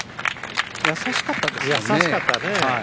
優しかったですね。